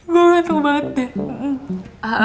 gua ngantuk banget deh